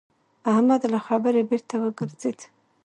احمد له خبرې بېرته وګرځېد.